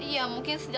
ya mungkin setiap hari